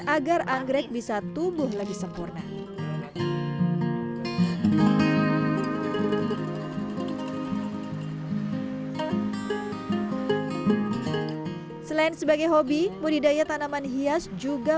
agar anggrek bisa tumbuh lagi sempurna selain sebagai hobi budidaya tanaman hias juga